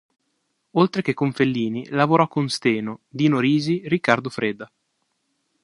Oltre che con Fellini, lavorò con Steno, Dino Risi, Riccardo Freda.